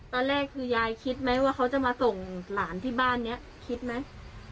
ตอนแรกคือยายคิดไหมว่าเขาจะมาส่งหลานที่บ้านนี้คิดไหม